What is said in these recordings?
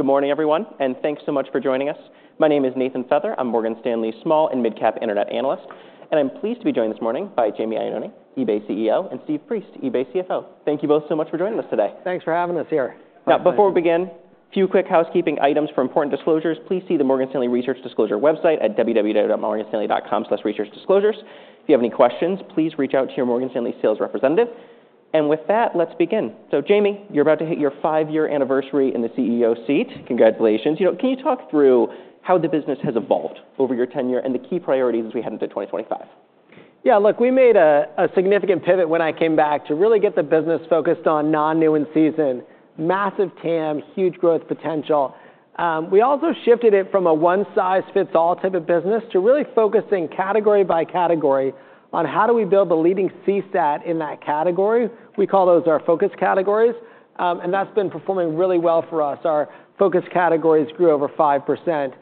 Good morning, everyone, and thanks so much for joining us. My name is Nathan Feather. I'm Morgan Stanley's small and mid-cap internet analyst, and I'm pleased to be joined this morning by Jamie Iannone, eBay CEO, and Steve Priest, eBay CFO. Thank you both so much for joining us today. Thanks for having us here. Now, before we begin, a few quick housekeeping items for important disclosures. Please see the Morgan Stanley Research Disclosure website at www.morganstanley.com/researchdisclosures. If you have any questions, please reach out to your Morgan Stanley sales representative. And with that, let's begin. So Jamie, you're about to hit your five-year anniversary in the CEO seat. Congratulations. Can you talk through how the business has evolved over your tenure and the key priorities as we head into 2025? Yeah, look, we made a significant pivot when I came back to really get the business focused on non-new in season. Massive TAM, huge growth potential. We also shifted it from a one-size-fits-all type of business to really focusing category by category on how do we build the leading CSAT in that category. We call those our Focus Categories, and that's been performing really well for us. Our Focus Categories grew over 5%.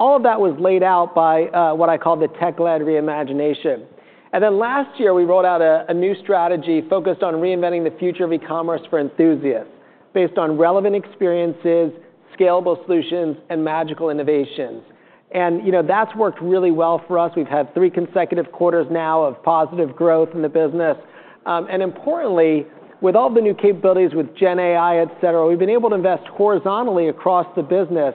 All of that was laid out by what I call the tech-led reimagination. And then last year, we rolled out a new strategy focused on reinventing the future of e-commerce for enthusiasts based on relevant experiences, scalable solutions, and magical innovations. And that's worked really well for us. We've had three consecutive quarters now of positive growth in the business. Importantly, with all the new capabilities with Gen AI, et cetera, we've been able to invest horizontally across the business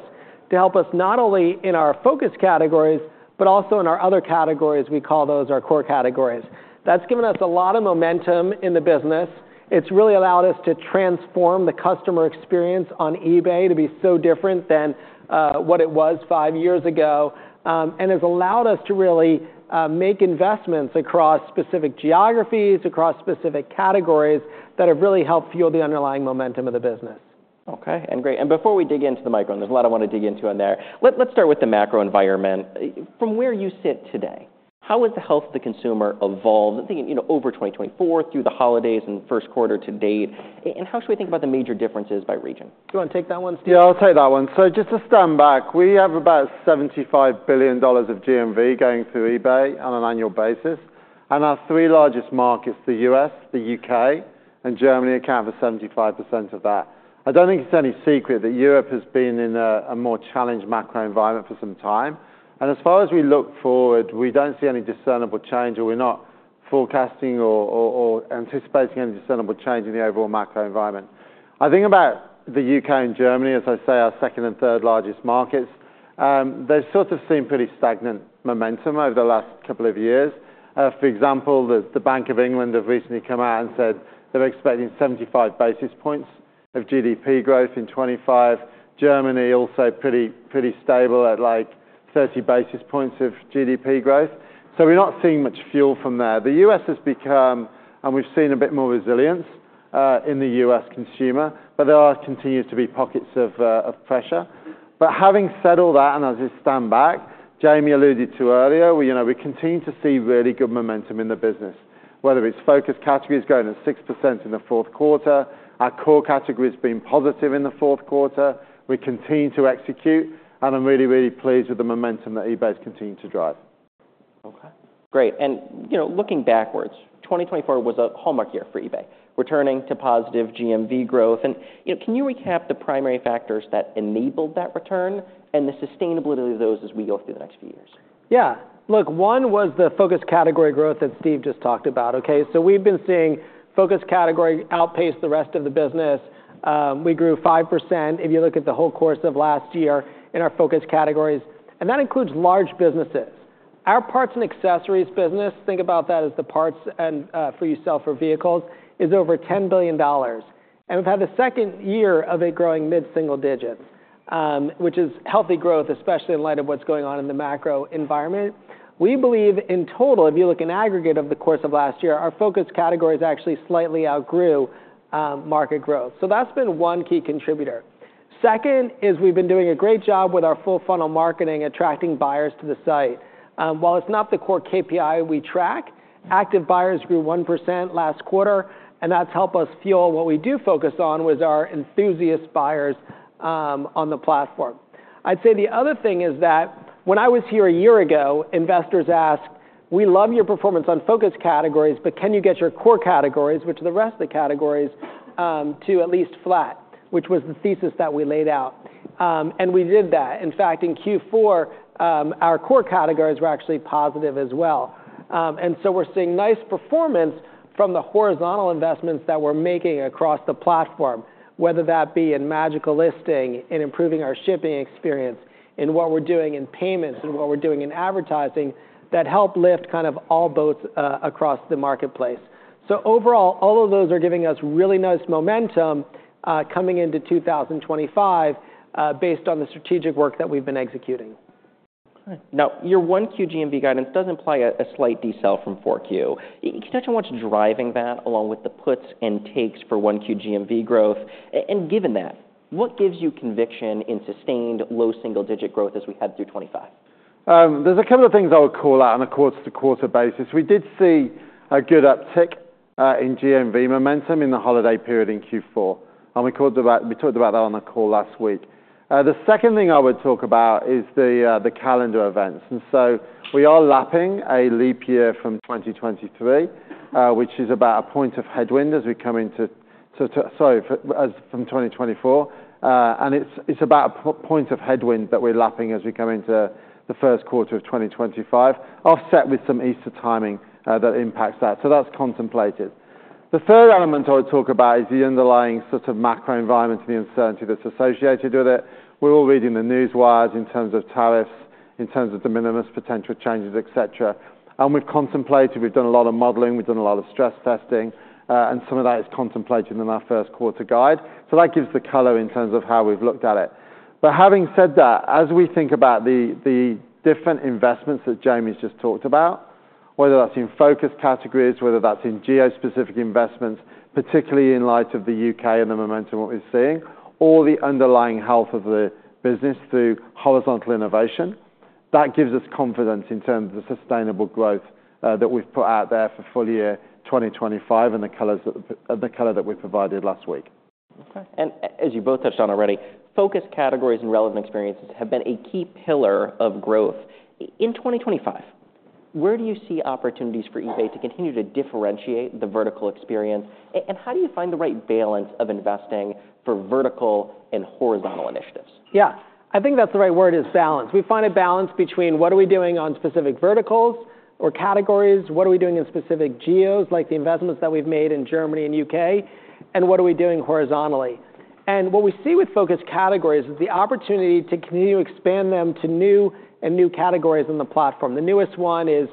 to help us not only in our Focus Categories, but also in our other categories. We call those our Core Categories. That's given us a lot of momentum in the business. It's really allowed us to transform the customer experience on eBay to be so different than what it was five years ago. It's allowed us to really make investments across specific geographies, across specific categories that have really helped fuel the underlying momentum of the business. OK, and great. And before we dig into the micro and there's a lot I want to dig into on there, let's start with the macro environment. From where you sit today, how has the health of the consumer evolved over 2024 through the holidays and first quarter to date? And how should we think about the major differences by region? Do you want to take that one, Steve? Yeah, I'll take that one. So just to stand back, we have about $75 billion of GMV going through eBay on an annual basis. And our three largest markets, the U.S., the U.K., and Germany, account for 75% of that. I don't think it's any secret that Europe has been in a more challenged macro environment for some time. And as far as we look forward, we don't see any discernible change, or we're not forecasting or anticipating any discernible change in the overall macro environment. I think about the U.K. and Germany, as I say, our second and third largest markets. They've sort of seen pretty stagnant momentum over the last couple of years. For example, the Bank of England have recently come out and said they're expecting 75 basis points of GDP growth in 2025. Germany also pretty stable at like 30 basis points of GDP growth. So we're not seeing much fuel from there. The U.S. has become, and we've seen a bit more resilience in the U.S. consumer, but there continues to be pockets of pressure. But having said all that, and I'll just stand back, Jamie alluded to earlier, we continue to see really good momentum in the business, whether it's Focus Categories going at 6% in the fourth quarter. Our Core Categories have been positive in the fourth quarter. We continue to execute, and I'm really, really pleased with the momentum that eBay has continued to drive. OK, great. And looking backwards, 2024 was a hallmark year for eBay, returning to positive GMV growth. And can you recap the primary factors that enabled that return and the sustainability of those as we go through the next few years? Yeah, look, one was the Focus Categories growth that Steve just talked about. So we've been seeing Focus Categories outpace the rest of the business. We grew 5% if you look at the whole course of last year in our Focus Categories. And that includes large businesses. Our Parts and Accessories business, think about that as the parts for you to sell for vehicles, is over $10 billion. And we've had a second year of it growing mid-single digits, which is healthy growth, especially in light of what's going on in the macro environment. We believe in total, if you look in aggregate over the course of last year, our Focus Categories actually slightly outgrew market growth. So that's been one key contributor. Second is we've been doing a great job with our full funnel marketing, attracting buyers to the site. While it's not the core KPI we track, active buyers grew 1% last quarter, and that's helped us fuel what we do focus on, which is our enthusiast buyers on the platform. I'd say the other thing is that when I was here a year ago, investors asked, "We love your performance on Focus Categories, but can you get your Core Categories, which are the rest of the categories, to at least flat," which was the thesis that we laid out. And we did that. In fact, in Q4, our Core Categories were actually positive as well. And so we're seeing nice performance from the horizontal investments that we're making across the platform, whether that be in Magical Listing, in improving our shipping experience, in what we're doing in payments, and what we're doing in advertising that help lift kind of all boats across the marketplace. So overall, all of those are giving us really nice momentum coming into 2025 based on the strategic work that we've been executing. Now, your 1Q GMV guidance does imply a slight decel from 4Q. Can you touch on what's driving that along with the puts and takes for 1Q GMV growth? And given that, what gives you conviction in sustained low single-digit growth as we head through 2025? There's a couple of things I would call out on a quarter-to-quarter basis. We did see a good uptick in GMV momentum in the holiday period in Q4, and we talked about that on the call last week. The second thing I would talk about is the calendar events, and so we are lapping a leap year from 2023, which is about a point of headwind as we come into, sorry, from 2024. And it's about a point of headwind that we're lapping as we come into the first quarter of 2025, offset with some Easter timing that impacts that. So that's contemplated. The third element I would talk about is the underlying sort of macro environment and the uncertainty that's associated with it. We're all reading the news wires in terms of tariffs, in terms of de minimis potential changes, et cetera. And we've contemplated. We've done a lot of modeling. We've done a lot of stress testing, and some of that is contemplated in our first quarter guide. So that gives the color in terms of how we've looked at it. But having said that, as we think about the different investments that Jamie's just talked about, whether that's in Focus Categories, whether that's in geo-specific investments, particularly in light of the U.K. and the momentum that we're seeing, or the underlying health of the business through horizontal innovation, that gives us confidence in terms of the sustainable growth that we've put out there for full year 2025 and the color that we provided last week. As you both touched on already, Focus Categories and relevant experiences have been a key pillar of growth. In 2025, where do you see opportunities for eBay to continue to differentiate the vertical experience? And how do you find the right balance of investing for vertical and horizontal initiatives? Yeah, I think that's the right word, is balance. We find a balance between what are we doing on specific verticals or categories, what are we doing in specific geos, like the investments that we've made in Germany and U.K., and what are we doing horizontally. And what we see with Focus Categories is the opportunity to continue to expand them to new and new categories on the platform. The newest one is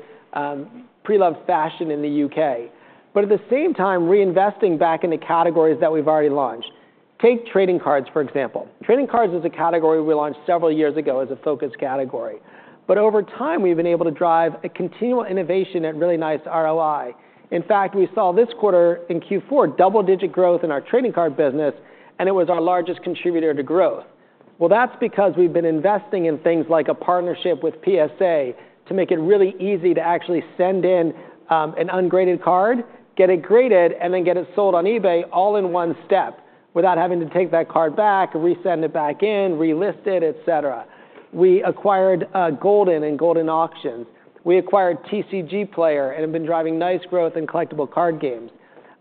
pre-loved fashion in the U.K. But at the same time, reinvesting back into categories that we've already launched. Take trading cards, for example. Trading cards is a category we launched several years ago as a Focus Category. But over time, we've been able to drive a continual innovation at really nice ROI. In fact, we saw this quarter in Q4 double-digit growth in our trading card business, and it was our largest contributor to growth. That's because we've been investing in things like a partnership with PSA to make it really easy to actually send in an ungraded card, get it graded, and then get it sold on eBay all in one step without having to take that card back, resend it back in, relist it, et cetera. We acquired Goldin and Goldin Auctions. We acquired TCGplayer and have been driving nice growth in collectible card games.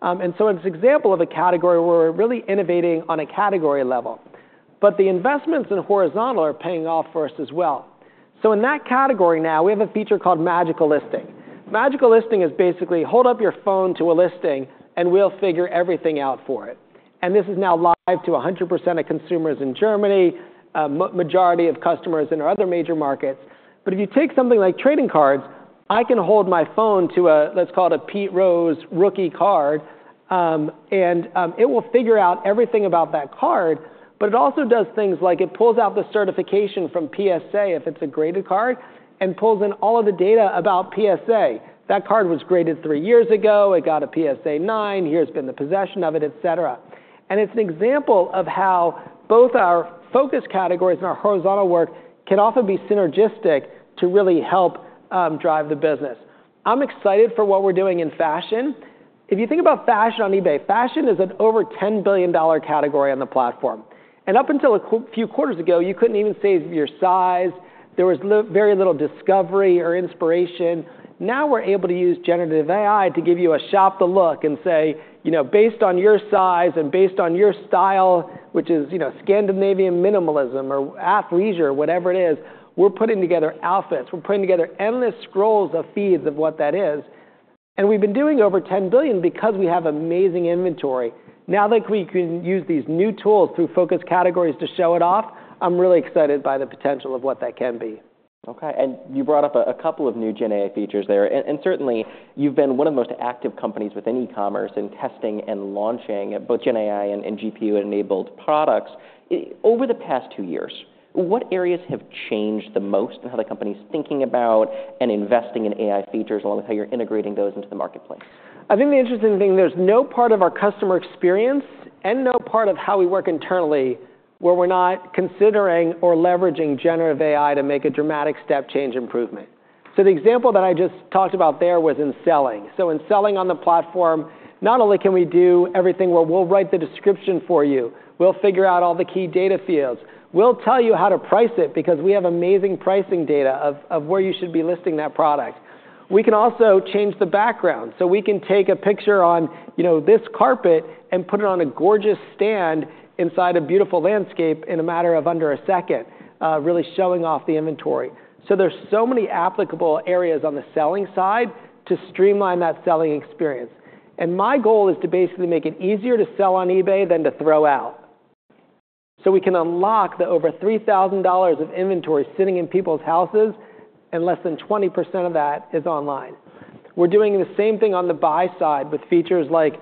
And so it's an example of a category where we're really innovating on a category level. But the investments in horizontal are paying off for us as well. So in that category now, we have a feature called Magical Listing. Magical Listing is basically hold up your phone to a listing, and we'll figure everything out for it. This is now live to 100% of consumers in Germany, a majority of customers in our other major markets. If you take something like trading cards, I can hold my phone to a, let's call it a Pete Rose rookie card, and it will figure out everything about that card. It also does things like it pulls out the certification from PSA if it's a graded card and pulls in all of the data about PSA. That card was graded three years ago. It got a PSA 9. Here's the possession of it, et cetera. It's an example of how both our Focus Categories and our horizontal work can often be synergistic to really help drive the business. I'm excited for what we're doing in fashion. If you think about fashion on eBay, fashion is an over $10 billion category on the platform. Up until a few quarters ago, you couldn't even say your size. There was very little discovery or inspiration. Now we're able to use generative AI to give you a Shop the Look and say, based on your size and based on your style, which is Scandinavian minimalism or athleisure, whatever it is, we're putting together outfits. We're putting together endless scrolls of feeds of what that is. And we've been doing over $10 billion because we have amazing inventory. Now that we can use these new tools through Focus Categories to show it off, I'm really excited by the potential of what that can be. OK, and you brought up a couple of new Gen AI features there, and certainly, you've been one of the most active companies within e-commerce in testing and launching both Gen AI and GPU-enabled products. Over the past two years, what areas have changed the most in how the company's thinking about and investing in AI features along with how you're integrating those into the marketplace? I think the interesting thing, there's no part of our customer experience and no part of how we work internally where we're not considering or leveraging generative AI to make a dramatic step change improvement. So the example that I just talked about there was in selling. So in selling on the platform, not only can we do everything where we'll write the description for you, we'll figure out all the key data fields. We'll tell you how to price it because we have amazing pricing data of where you should be listing that product. We can also change the background. So we can take a picture on this carpet and put it on a gorgeous stand inside a beautiful landscape in a matter of under a second, really showing off the inventory. So there's so many applicable areas on the selling side to streamline that selling experience. And my goal is to basically make it easier to sell on eBay than to throw out. So we can unlock the over $3,000 of inventory sitting in people's houses, and less than 20% of that is online. We're doing the same thing on the buy side with features like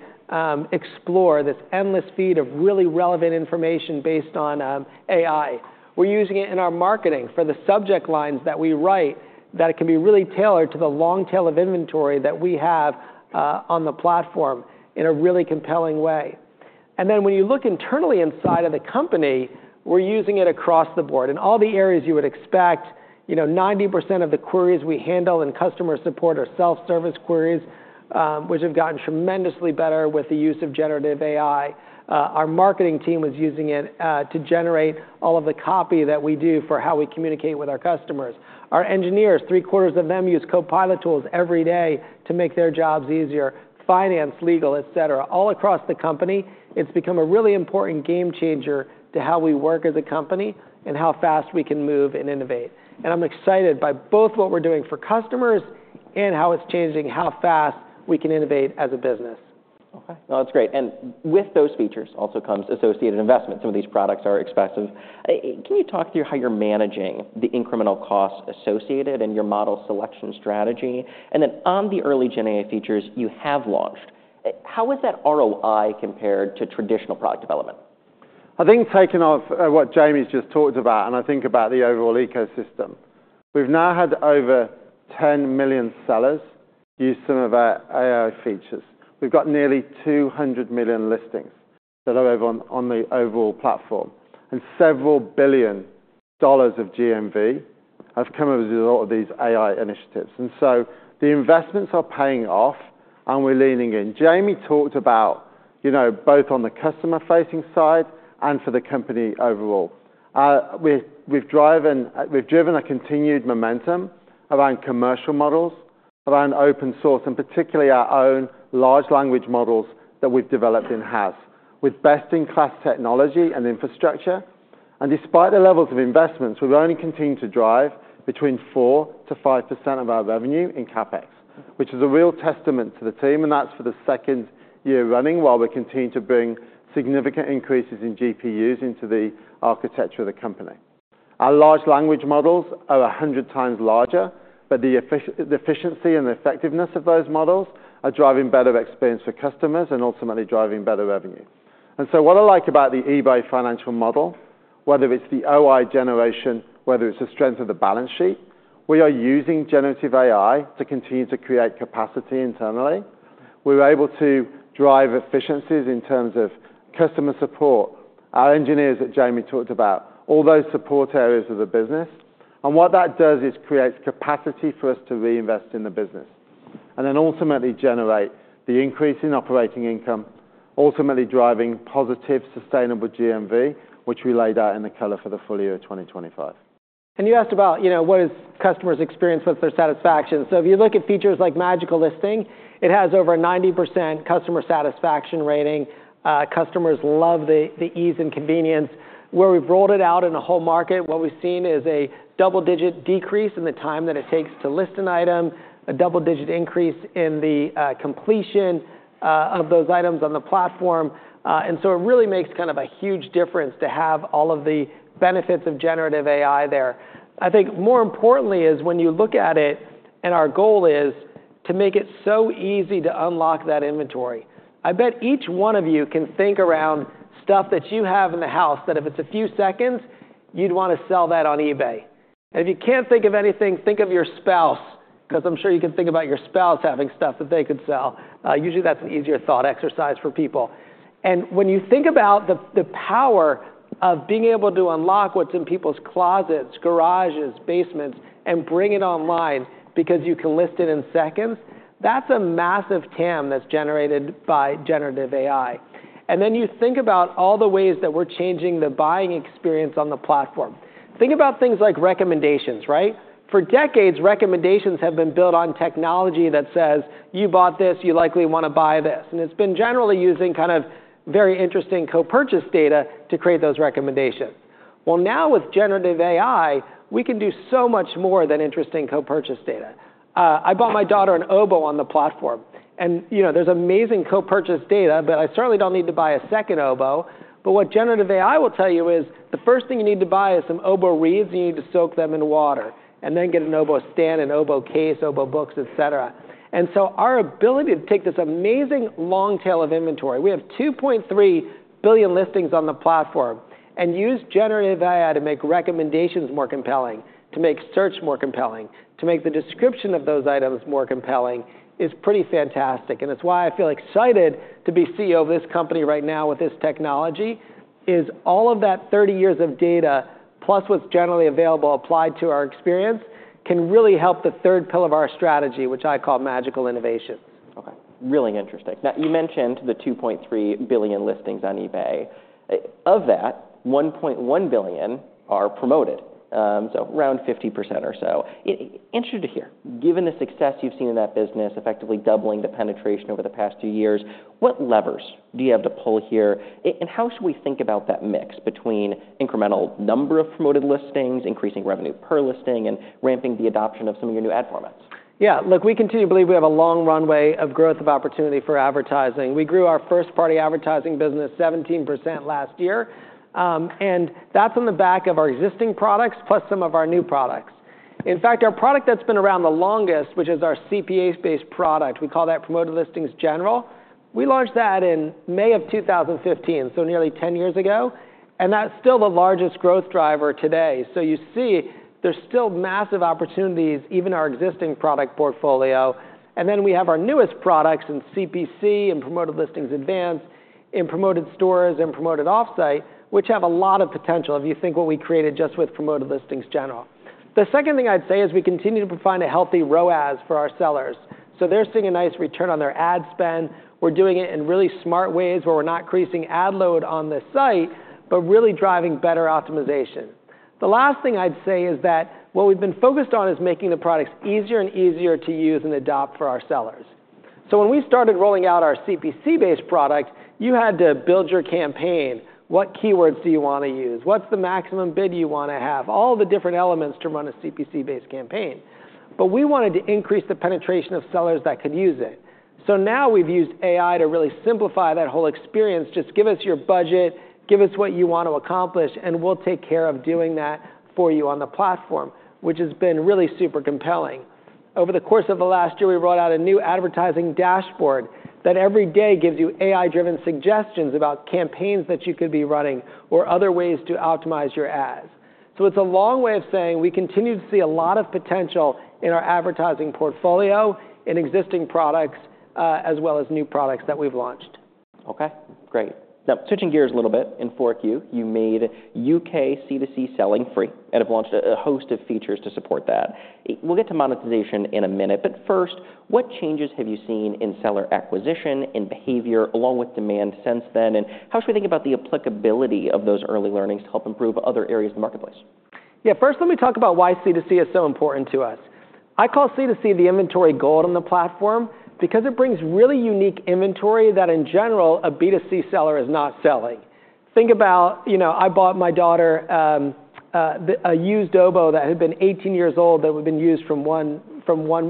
Explore, this endless feed of really relevant information based on AI. We're using it in our marketing for the subject lines that we write that can be really tailored to the long tail of inventory that we have on the platform in a really compelling way. And then when you look internally inside of the company, we're using it across the board. In all the areas you would expect, 90% of the queries we handle in customer support are self-service queries, which have gotten tremendously better with the use of generative AI. Our marketing team was using it to generate all of the copy that we do for how we communicate with our customers. Our engineers, three quarters of them, use Copilot tools every day to make their jobs easier. Finance, legal, et cetera. All across the company, it's become a really important game changer to how we work as a company and how fast we can move and innovate. And I'm excited by both what we're doing for customers and how it's changing how fast we can innovate as a business. That's great. With those features also comes associated investment. Some of these products are expensive. Can you talk through how you're managing the incremental costs associated and your model selection strategy? Then on the early Gen AI features you have launched, how is that ROI compared to traditional product development? I think taking off what Jamie's just talked about, and I think about the overall ecosystem, we've now had over 10 million sellers use some of our AI features. We've got nearly 200 million listings that are over on the overall platform, and several billion dollars of GMV have come over to a lot of these AI initiatives, and so the investments are paying off, and we're leaning in. Jamie talked about both on the customer-facing side and for the company overall. We've driven a continued momentum around commercial models, around open source, and particularly our own large language models that we've developed in-house with best-in-class technology and infrastructure, and despite the levels of investments, we've only continued to drive between 4% - 5% of our revenue in CapEx, which is a real testament to the team. And that's for the second year running while we continue to bring significant increases in GPUs into the architecture of the company. Our large language models are 100 times larger, but the efficiency and the effectiveness of those models are driving better experience for customers and ultimately driving better revenue. And so what I like about the eBay financial model, whether it's the OI generation, whether it's the strength of the balance sheet, we are using generative AI to continue to create capacity internally. We're able to drive efficiencies in terms of customer support, our engineers that Jamie talked about, all those support areas of the business. And what that does is creates capacity for us to reinvest in the business and then ultimately generate the increase in operating income, ultimately driving positive sustainable GMV, which we laid out in the color for the full year of 2025. You asked about what is customers' experience with their satisfaction. If you look at features like Magical Listing, it has over a 90% customer satisfaction rating. Customers love the ease and convenience. Where we've rolled it out in a whole market, what we've seen is a double-digit decrease in the time that it takes to list an item, a double-digit increase in the completion of those items on the platform. And so it really makes kind of a huge difference to have all of the benefits of generative AI there. I think more importantly is when you look at it, and our goal is to make it so easy to unlock that inventory. I bet each one of you can think around stuff that you have in the house that if it's a few seconds, you'd want to sell that on eBay. And if you can't think of anything, think of your spouse, because I'm sure you can think about your spouse having stuff that they could sell. Usually, that's an easier thought exercise for people. And when you think about the power of being able to unlock what's in people's closets, garages, basements, and bring it online because you can list it in seconds, that's a massive TAM that's generated by generative AI. And then you think about all the ways that we're changing the buying experience on the platform. Think about things like recommendations, right? For decades, recommendations have been built on technology that says, you bought this, you likely want to buy this. And it's been generally using kind of very interesting co-purchase data to create those recommendations. Well, now with generative AI, we can do so much more than interesting co-purchase data. I bought my daughter an oboe on the platform, and there's amazing co-purchase data, but I certainly don't need to buy a second oboe, but what generative AI will tell you is the first thing you need to buy is some oboe reeds, and you need to soak them in water and then get an oboe stand, an oboe case, oboe books, et cetera, and so our ability to take this amazing long tail of inventory, we have 2.3 billion listings on the platform, and use generative AI to make recommendations more compelling, to make search more compelling, to make the description of those items more compelling is pretty fantastic. It's why I feel excited to be CEO of this company right now with this technology is all of that 30 years of data plus what's generally available applied to our experience can really help the third pillar of our strategy, which I call magical innovation. Really interesting. Now, you mentioned the 2.3 billion listings on eBay. Of that, 1.1 billion are promoted, so around 50% or so. Interesting to hear. Given the success you've seen in that business, effectively doubling the penetration over the past two years, what levers do you have to pull here? And how should we think about that mix between incremental number of promoted listings, increasing revenue per listing, and ramping the adoption of some of your new ad formats? Yeah, look, we continue to believe we have a long runway of growth of opportunity for advertising. We grew our first-party advertising business 17% last year. And that's on the back of our existing products plus some of our new products. In fact, our product that's been around the longest, which is our CPA-based product, we call that Promoted Listings General. We launched that in May of 2015, so nearly 10 years ago. And that's still the largest growth driver today. So you see there's still massive opportunities, even our existing product portfolio. And then we have our newest products in CPC and Promoted Listings Advanced in Promoted Stores and Promoted Offsite, which have a lot of potential if you think what we created just with Promoted Listings General. The second thing I'd say is we continue to find a healthy ROAS for our sellers. They're seeing a nice return on their ad spend. We're doing it in really smart ways where we're not increasing ad load on the site, but really driving better optimization. The last thing I'd say is that what we've been focused on is making the products easier and easier to use and adopt for our sellers. When we started rolling out our CPC-based product, you had to build your campaign. What keywords do you want to use? What's the maximum bid you want to have? All the different elements to run a CPC-based campaign. But we wanted to increase the penetration of sellers that could use it. Now we've used AI to really simplify that whole experience. Just give us your budget, give us what you want to accomplish, and we'll take care of doing that for you on the platform, which has been really super compelling. Over the course of the last year, we rolled out a new advertising dashboard that every day gives you AI-driven suggestions about campaigns that you could be running or other ways to optimize your ads, so it's a long way of saying we continue to see a lot of potential in our advertising portfolio, in existing products, as well as new products that we've launched. OK, great. Now, switching gears a little bit, in 4Q, you made UK C2C selling free and have launched a host of features to support that. We'll get to monetization in a minute. But first, what changes have you seen in seller acquisition, in behavior, along with demand since then? And how should we think about the applicability of those early learnings to help improve other areas of the marketplace? Yeah, first, let me talk about why C2C is so important to us. I call C2C the inventory gold on the platform because it brings really unique inventory that, in general, a B2C seller is not selling. Think about: I bought my daughter a used oboe that had been 18 years old that had been used from one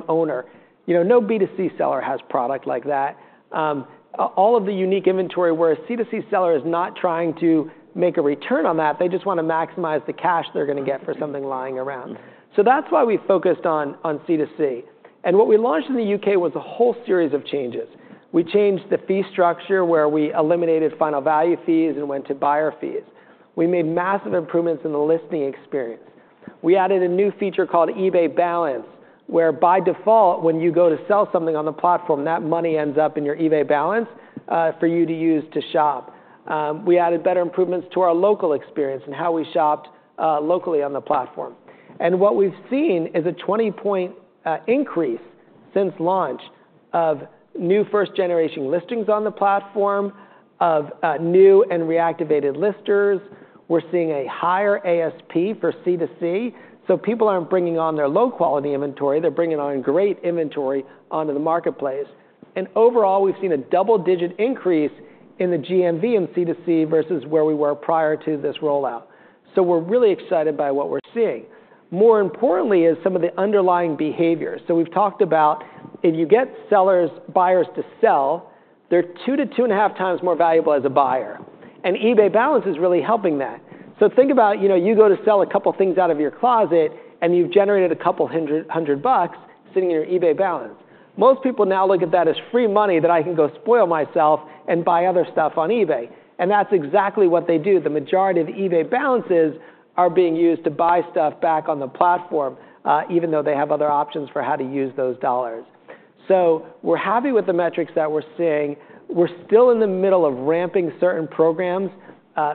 owner. No B2C seller has product like that. All of the unique inventory where a C2C seller is not trying to make a return on that, they just want to maximize the cash they're going to get for something lying around. So that's why we focused on C2C. And what we launched in the U.K. was a whole series of changes. We changed the fee structure where we eliminated final value fees and went to buyer fees. We made massive improvements in the listing experience. We added a new feature called eBay Balance, where by default, when you go to sell something on the platform, that money ends up in your eBay Balance for you to use to shop. We added better improvements to our local experience and how we shopped locally on the platform. What we've seen is a 20-point increase since launch of new first-generation listings on the platform, of new and reactivated listers. We're seeing a higher ASP for C2C. People aren't bringing on their low-quality inventory. They're bringing on great inventory onto the marketplace. Overall, we've seen a double-digit increase in the GMV in C2C versus where we were prior to this rollout. We're really excited by what we're seeing. More importantly is some of the underlying behaviors. We've talked about if you get sellers, buyers to sell, they're two to two and a half times more valuable as a buyer. eBay Balance is really helping that. Think about you go to sell a couple of things out of your closet, and you've generated a couple hundred bucks sitting in your eBay Balance. Most people now look at that as free money that I can go spoil myself and buy other stuff on eBay. That's exactly what they do. The majority of the eBay Balances are being used to buy stuff back on the platform, even though they have other options for how to use those dollars. We're happy with the metrics that we're seeing. We're still in the middle of ramping certain programs.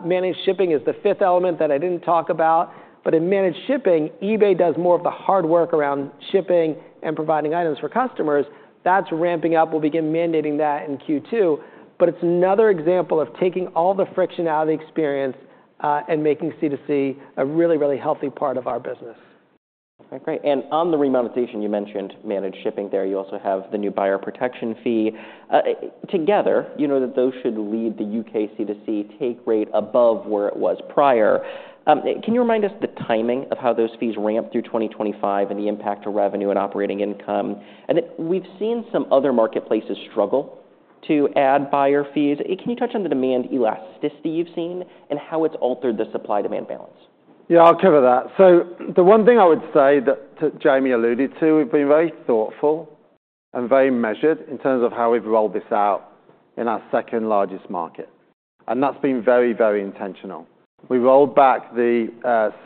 Managed Shipping is the fifth element that I didn't talk about. But in Managed Shipping, eBay does more of the hard work around shipping and providing items for customers. That's ramping up. We'll begin mandating that in Q2. But it's another example of taking all the friction out of the experience and making C2C a really, really healthy part of our business. Great. On the remonetization, you mentioned managed shipping there. You also have the new buyer protection fee. Together, you know that those should lead the UK C2C take rate above where it was prior. Can you remind us the timing of how those fees ramped through 2025 and the impact to revenue and operating income? Then we've seen some other marketplaces struggle to add buyer fees. Can you touch on the demand elasticity you've seen and how it's altered the supply-demand balance? Yeah, I'll cover that. So the one thing I would say that Jamie alluded to, we've been very thoughtful and very measured in terms of how we've rolled this out in our second largest market. And that's been very, very intentional. We rolled back the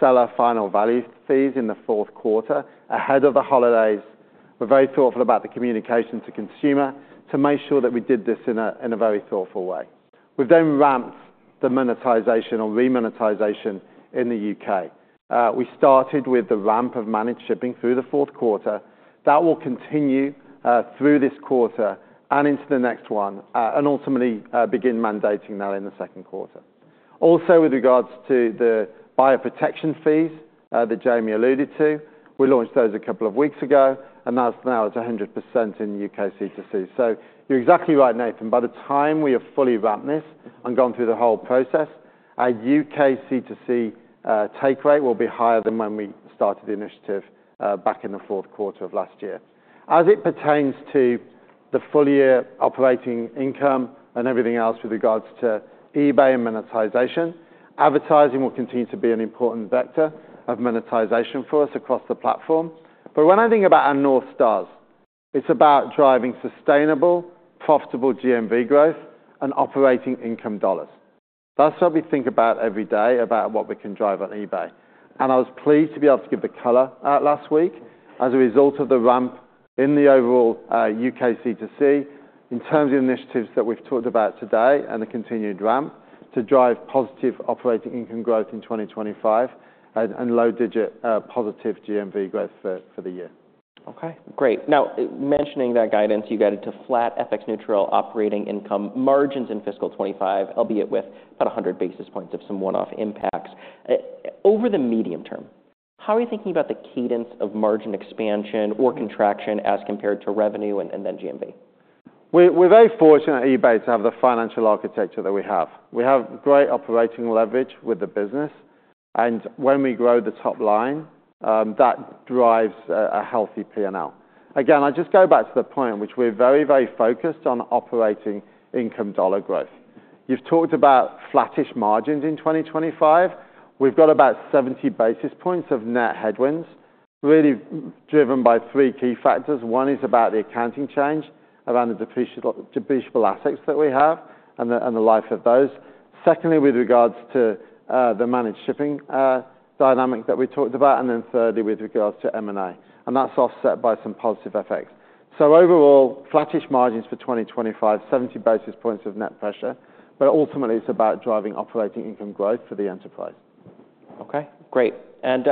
seller final value fees in the fourth quarter ahead of the holidays. We're very thoughtful about the communication to consumer to make sure that we did this in a very thoughtful way. We've then ramped the monetization or remonetization in the U.K. We started with the ramp of managed shipping through the fourth quarter. That will continue through this quarter and into the next one and ultimately begin mandating that in the second quarter. Also, with regards to the buyer protection fees that Jamie alluded to, we launched those a couple of weeks ago. And that's now at 100% in U.K. C2C. So you're exactly right, Nathan. By the time we have fully wrapped this and gone through the whole process, our U.K. C2C take rate will be higher than when we started the initiative back in the fourth quarter of last year. As it pertains to the full year operating income and everything else with regards to eBay and monetization, advertising will continue to be an important vector of monetization for us across the platform. But when I think about our North Stars, it's about driving sustainable, profitable GMV growth and operating income dollars. That's what we think about every day about what we can drive on eBay. I was pleased to be able to give the color last week as a result of the ramp in the overall U.K. C2C in terms of initiatives that we've talked about today and the continued ramp to drive positive operating income growth in 2025 and low-digit positive GMV growth for the year. OK, great. Now, mentioning that guidance, you guided to flat, FX-neutral operating income margins in fiscal 2025, albeit with about 100 basis points of some one-off impacts. Over the medium term, how are you thinking about the cadence of margin expansion or contraction as compared to revenue and then GMV? We're very fortunate at eBay to have the financial architecture that we have. We have great operating leverage with the business. And when we grow the top line, that drives a healthy P&L. Again, I just go back to the point in which we're very, very focused on operating income dollar growth. You've talked about flattish margins in 2025. We've got about 70 basis points of net headwinds, really driven by three key factors. One is about the accounting change around the depreciable assets that we have and the life of those. Secondly, with regards to the managed shipping dynamic that we talked about. And then thirdly, with regards to M&A. And that's offset by some positive effects. So overall, flattish margins for 2025, 70 basis points of net pressure. But ultimately, it's about driving operating income growth for the enterprise. OK, great. And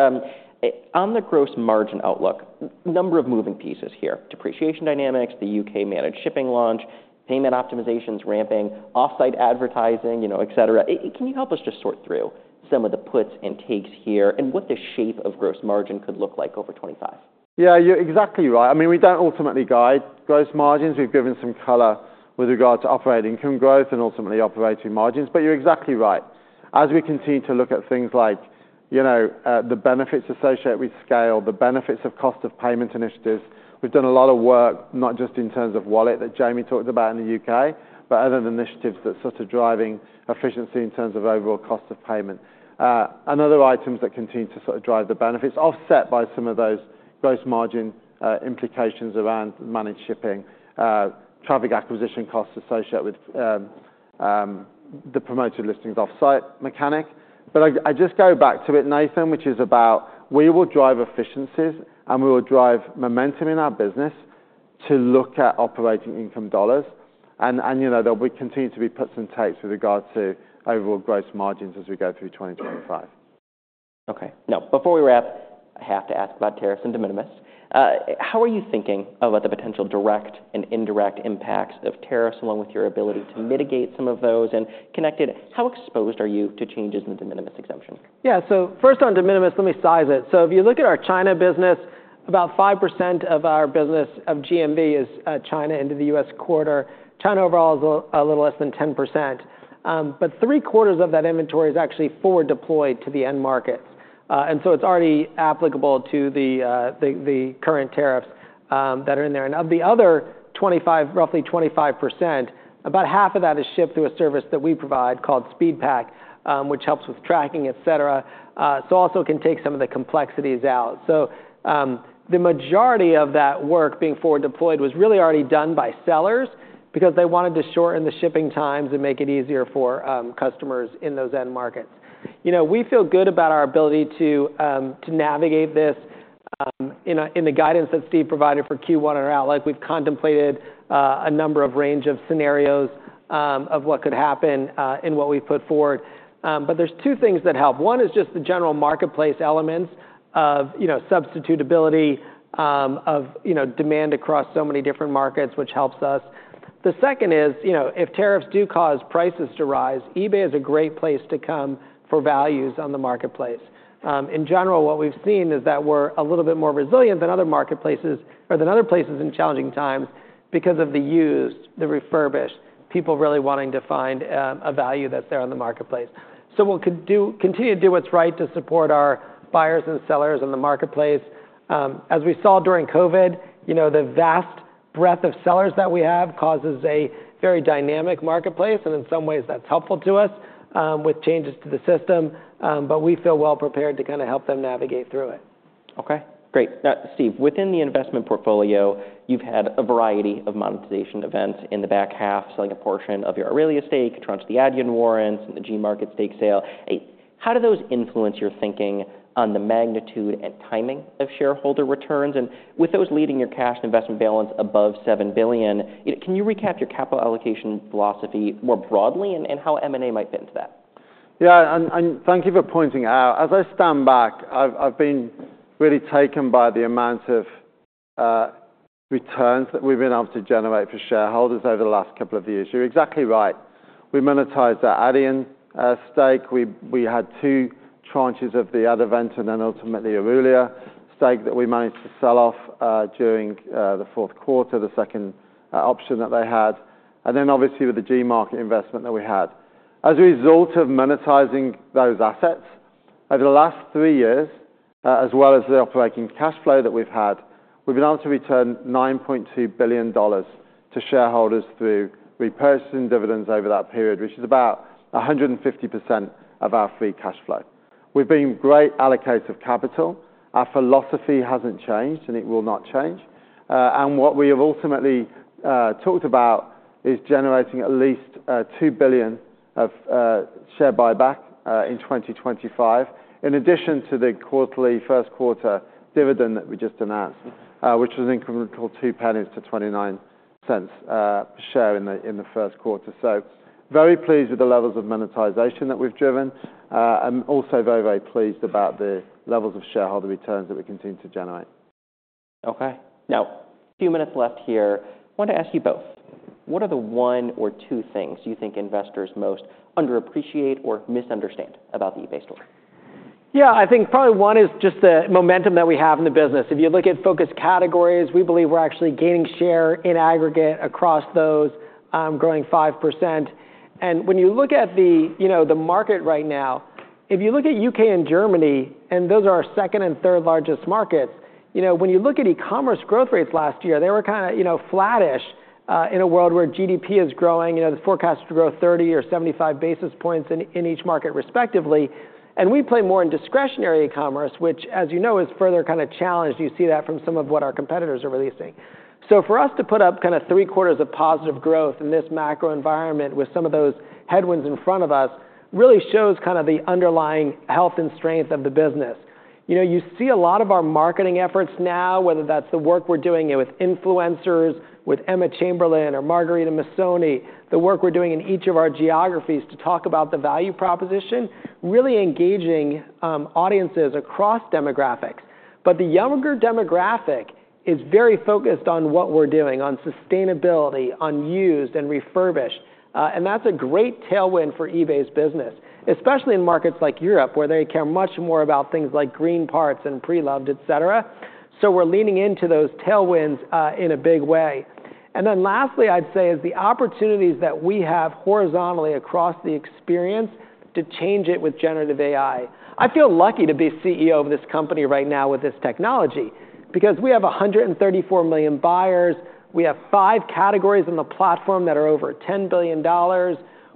on the gross margin outlook, number of moving pieces here: depreciation dynamics, the U.K. Managed Shipping launch, payment optimizations, ramping, Offsite advertising, et cetera. Can you help us just sort through some of the puts and takes here and what the shape of gross margin could look like over 2025? Yeah, you're exactly right. I mean, we don't ultimately guide gross margins. We've given some color with regard to operating income growth and ultimately operating margins. But you're exactly right. As we continue to look at things like the benefits associated with scale, the benefits of cost of payment initiatives, we've done a lot of work, not just in terms of wallet that Jamie talked about in the U.K., but other initiatives that are sort of driving efficiency in terms of overall cost of payment. And other items that continue to sort of drive the benefits, offset by some of those gross margin implications around Managed Shipping, traffic acquisition costs associated with the Promoted Listings Offsite mechanic. But I just go back to it, Nathan, which is about we will drive efficiencies and we will drive momentum in our business to look at operating income dollars. There will continue to be puts and takes with regard to overall gross margins as we go through 2025. OK, now, before we wrap, I have to ask about tariffs and de minimis. How are you thinking about the potential direct and indirect impacts of tariffs along with your ability to mitigate some of those? And connected, how exposed are you to changes in the de minimis exemption? Yeah, so first on de minimis, let me size it. So if you look at our China business, about 5% of our business of GMV is China into the U.S. corridor. China overall is a little less than 10%. But three quarters of that inventory is actually forward deployed to the end markets. And so it's already applicable to the current tariffs that are in there. And of the other roughly 25%, about half of that is shipped through a service that we provide called SpeedPAK, which helps with tracking, et cetera, so also can take some of the complexities out. So the majority of that work being forward deployed was really already done by sellers because they wanted to shorten the shipping times and make it easier for customers in those end markets. We feel good about our ability to navigate this in the guidance that Steve provided for Q1 and out. We've contemplated a number of range of scenarios of what could happen in what we've put forward, but there's two things that help. One is just the general marketplace elements of substitutability of demand across so many different markets, which helps us. The second is if tariffs do cause prices to rise, eBay is a great place to come for values on the marketplace. In general, what we've seen is that we're a little bit more resilient than other marketplaces or than other places in challenging times because of the used, the refurbished, people really wanting to find a value that's there on the marketplace, so we'll continue to do what's right to support our buyers and sellers in the marketplace. As we saw during COVID, the vast breadth of sellers that we have causes a very dynamic marketplace, and in some ways that's helpful to us with changes to the system, but we feel well prepared to kind of help them navigate through it. OK, great. Now, Steve, within the investment portfolio, you've had a variety of monetization events in the back half, selling a portion of your Aurelia stake, exercising the Adyen warrants and the Gmarket stake sale. How do those influence your thinking on the magnitude and timing of shareholder returns? And with those leading your cash and investment balance above $7 billion, can you recap your capital allocation philosophy more broadly and how M&A might fit into that? Yeah, and thank you for pointing it out. As I stand back, I've been really taken by the amount of returns that we've been able to generate for shareholders over the last couple of years. You're exactly right. We monetized our Adyen stake. We had two tranches of the Adevinta and then ultimately Aurelia stake that we managed to sell off during the fourth quarter, the second option that they had. And then obviously with the Gmarket investment that we had. As a result of monetizing those assets, over the last three years, as well as the operating cash flow that we've had, we've been able to return $9.2 billion to shareholders through repurchases and dividends over that period, which is about 150% of our free cash flow. We've been great allocators of capital. Our philosophy hasn't changed, and it will not change. What we have ultimately talked about is generating at least $2 billion of share buyback in 2025, in addition to the quarterly first quarter dividend that we just announced, which was incremental $0.29 per share in the first quarter. Very pleased with the levels of monetization that we've driven and also very, very pleased about the levels of shareholder returns that we continue to generate. OK, now, a few minutes left here. I want to ask you both, what are the one or two things you think investors most underappreciate or misunderstand about the eBay story? Yeah, I think probably one is just the momentum that we have in the business. If you look at Focus Categories, we believe we're actually gaining share in aggregate across those, growing 5%. And when you look at the market right now, if you look at U.K. and Germany, and those are our second and third largest markets, when you look at e-commerce growth rates last year, they were kind of flattish in a world where GDP is growing. The forecasts to grow 30 or 75 basis points in each market respectively. And we play more in discretionary e-commerce, which, as you know, is further kind of challenged. You see that from some of what our competitors are releasing. So for us to put up kind of three quarters of positive growth in this macro environment with some of those headwinds in front of us really shows kind of the underlying health and strength of the business. You see a lot of our marketing efforts now, whether that's the work we're doing with influencers, with Emma Chamberlain or Margherita Missoni, the work we're doing in each of our geographies to talk about the value proposition, really engaging audiences across demographics. But the younger demographic is very focused on what we're doing, on sustainability, on used and refurbished. And that's a great tailwind for eBay's business, especially in markets like Europe, where they care much more about things like green parts and pre-loved, et cetera. So we're leaning into those tailwinds in a big way. And then lastly, I'd say, is the opportunities that we have horizontally across the experience to change it with generative AI. I feel lucky to be CEO of this company right now with this technology because we have 134 million buyers. We have five categories on the platform that are over $10 billion.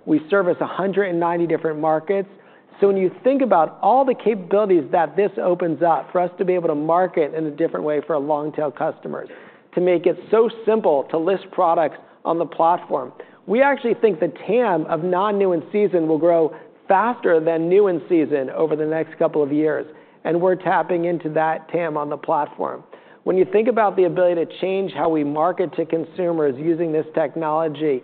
We service 190 different markets. So when you think about all the capabilities that this opens up for us to be able to market in a different way for our long-tail customers, to make it so simple to list products on the platform, we actually think the TAM of non-new in season will grow faster than new in season over the next couple of years. And we're tapping into that TAM on the platform. When you think about the ability to change how we market to consumers using this technology,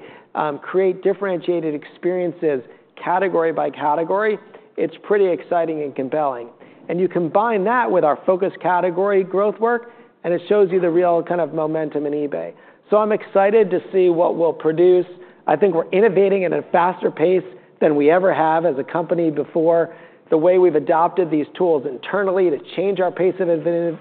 create differentiated experiences category by category, it's pretty exciting and compelling, and you combine that with our focus category growth work, and it shows you the real kind of momentum in eBay, so I'm excited to see what we'll produce. I think we're innovating at a faster pace than we ever have as a company before. The way we've adopted these tools internally to change our pace of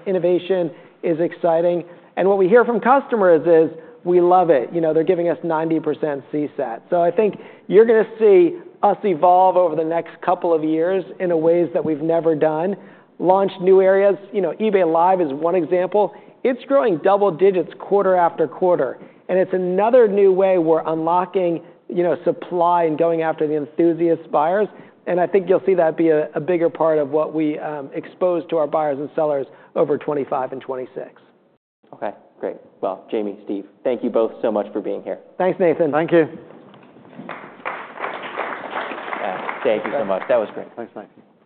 innovation is exciting, and what we hear from customers is we love it. They're giving us 90% CSAT, so I think you're going to see us evolve over the next couple of years in ways that we've never done, launch new areas. eBay Live is one example. It's growing double digits quarter after quarter. And it's another new way we're unlocking supply and going after the enthusiast buyers. And I think you'll see that be a bigger part of what we expose to our buyers and sellers over 2025 and 2026. OK, great. Jamie, Steve, thank you both so much for being here. Thanks, Nathan. Thank you. Thank you so much. That was great. Thanks, mate.